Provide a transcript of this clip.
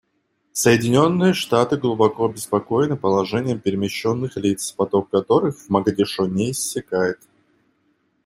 Соединенные Штаты глубоко обеспокоены положением перемещенных лиц, поток которых в Могадишо не иссякает.